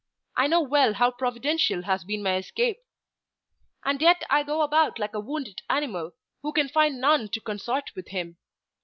I know well how providential has been my escape. And yet I go about like a wounded animal, who can find none to consort with him.